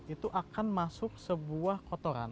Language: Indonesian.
itu akan masuk sebuah kotoran